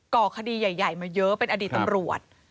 ก่อคดีใหญ่มาเยอะเป็นอดีตตำรวจ